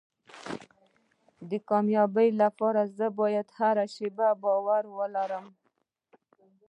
د کامیابۍ لپاره زه باید هره شپه باور ولرم.